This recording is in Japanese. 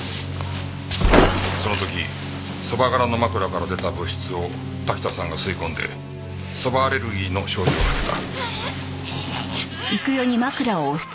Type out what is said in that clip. その時そば殻の枕から出た物質を滝田さんが吸い込んでそばアレルギーの症状が出た。